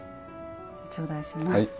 頂戴します。